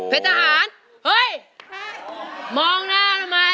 เป็นทหารเฮ้ยมองหน้าทำไม